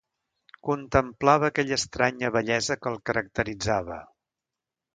Contemplava aquella estranya bellesa que el caracteritzava.